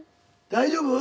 大丈夫？